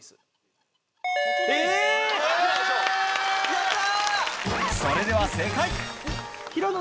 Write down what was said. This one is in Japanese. やった！